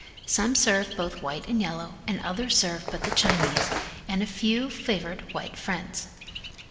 Some serve both white and yellow and others serve but the Chinese, and a few favored white friends.